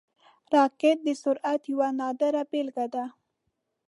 راکټ د سرعت یوه نادره بیلګه ده